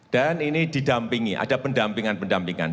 dan ini didampingi ada pendampingan pendampingan